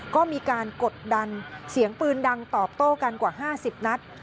ก็มีการกดดันเสียงปืนดังตอบโต้กันกว่า๕๐นัด